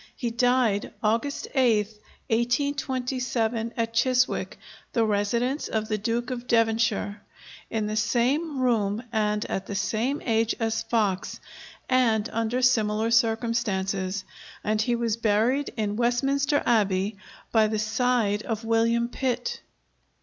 He died August 8th, 1827, at Chiswick (the residence of the Duke of Devonshire), in the same room and at the same age as Fox, and under similar circumstances; and he was buried in Westminster Abbey by the side of William Pitt.